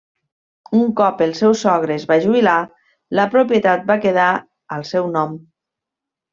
Un cop el seu sogre es va jubilar, la propietat va quedar al seu nom.